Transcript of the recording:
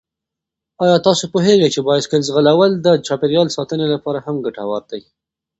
آیا تاسو پوهېږئ چې بايسکل ځغلول د چاپېریال ساتنې لپاره هم ګټور دي؟